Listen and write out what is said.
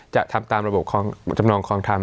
จะทำตามระบบจำนองคลองธรรม